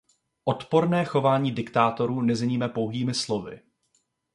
Odporné chování diktátorů nezměníme pouhými slovy.